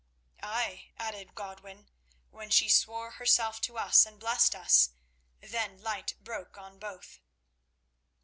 "Ay," added Godwin, "when she swore herself to us and blessed us, then light broke on both."